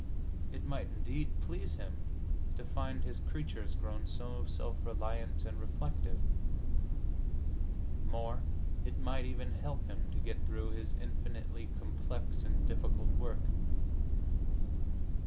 It might, indeed, please Him to find His creatures grown so self reliant and reflective. More, it might even help Him to get through His infinitely complex and difficult work.